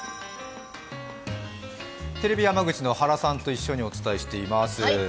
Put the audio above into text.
テレビ山口の原さんと一緒にお伝えしています。